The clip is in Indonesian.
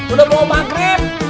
udah mau maghrib